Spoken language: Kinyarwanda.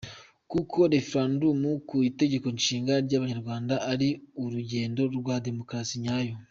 Kuko referendumu ku Itegeko Nshinga ry’Abanyarwanda ari urugendo rwa demokarasi nyayo.